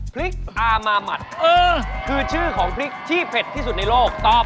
พริกอามามัติคือชื่อของพริกที่เผ็ดที่สุดในโลกตอบ